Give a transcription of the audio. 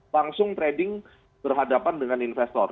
langsung trading berhadapan dengan investor